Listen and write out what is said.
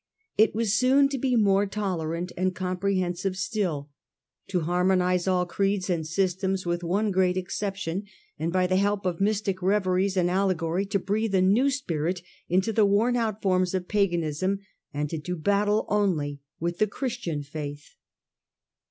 It was soon to be more tolerant and comprehensive still, to hannonize all creeds and systems, with one great exception, and by the help of mystic reveries and allegory to breathe a new spirit into the worn out forms of paganism and to do battle only with the Christian faith.